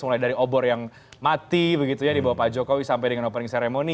mulai dari obor yang mati begitu ya di bawah pak jokowi sampai dengan opening ceremony